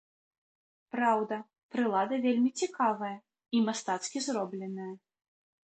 Праўда, прылада вельмі цікавая і мастацкі зробленая.